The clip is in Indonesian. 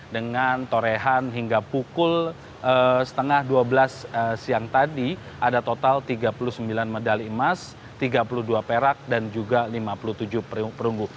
dengan torehan hingga pukul setengah dua belas siang tadi ada total tiga puluh sembilan medali emas tiga puluh dua perak dan juga lima puluh tujuh perunggu